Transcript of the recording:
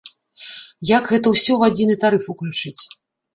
Як гэта ўсё ў адзіны тарыф уключыць.